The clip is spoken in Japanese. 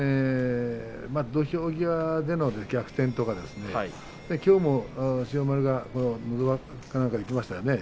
土俵際での逆転とかきょうも千代丸がのど輪かなんかでいきました